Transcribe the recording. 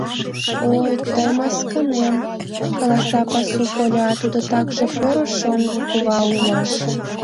— Ой, тый мыскынем! — каласа пасу коля; тудо такше поро шоҥго кува улмаш.